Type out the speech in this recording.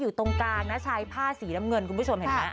อยู่ตรงกลางนะชายผ้าสีน้ำเงินคุณผู้ชมเห็นไหม